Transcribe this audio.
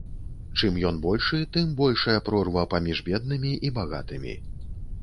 Чым ён большы, тым большая прорва паміж беднымі і багатымі.